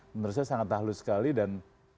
menurut saya sangat tahlu sekali dan